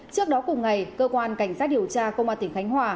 trước đó cùng ngày cơ quan cảnh sát điều tra công an tỉnh khánh hòa